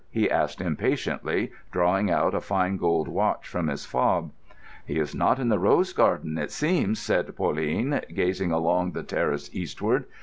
he asked impatiently, drawing out a fine gold watch from his fob. "He is not in the rose garden, it seems," said Pauline, gazing along the terrace eastward.